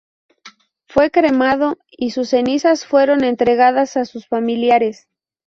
Fue cremado, y sus cenizas fueron entregadas a sus familiares.